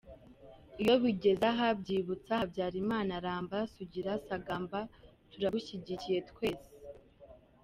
Iyo bigeze aha byibutsa: habyarimana ramba sugira sagambaga turagushyigikiyeeeee tweseeee.